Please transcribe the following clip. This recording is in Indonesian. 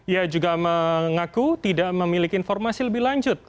ia juga mengaku tidak memiliki informasi lebih lanjut